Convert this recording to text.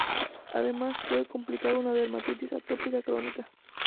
Además, puede complicar una dermatitis atópica crónica.